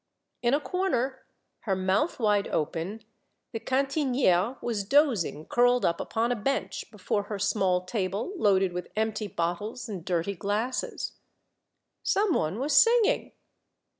In a corner, her mouth wide open, the cantiniere was dozing curled up upon a bench, before her small table loaded with empty bottles and dirty glasses. Some one was singing.